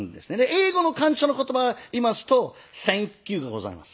英語の感謝の言葉は言いますと「サンキュー」がございます。